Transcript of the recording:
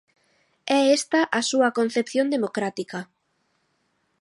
É esta a súa concepción democrática.